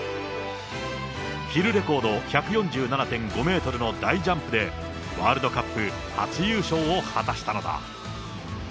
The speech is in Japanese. ヒルレコード１４７．５メートルの大ジャンプで、ワールドカップ初優勝を果たしたのだ。